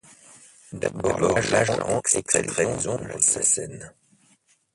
D’abord l’agent extrait les ombres de la scène.